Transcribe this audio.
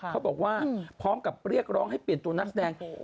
พร้อมกับเรียกร้องให้เปลี่ยนตัวนักแสดง